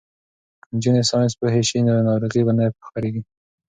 که نجونې ساینس پوهې شي نو ناروغۍ به نه خپریږي.